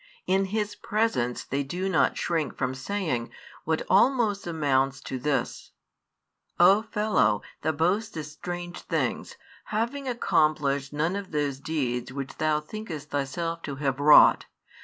In His presence they do not shrink from saying what almost amounts to this: "O fellow, thou boastest strange things, having accomplished none of those deeds which Thou thinkest Thyself to have wrought.